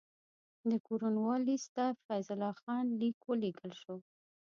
د کورنوالیس ته د فیض الله خان لیک ولېږل شو.